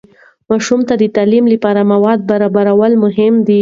ماشومان ته د تعلیم لپاره مواد برابرول مهم دي.